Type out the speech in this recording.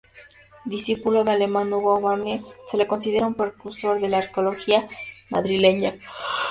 Discípulo del alemán Hugo Obermaier, se le considera un precursor de la arqueología madrileña.